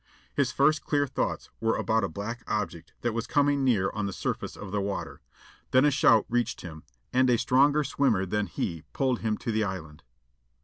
His first clear thoughts were about a black object that was coming near on the surface of the water. Then a shout reached him, and a stronger swimmer than he pulled him to the island.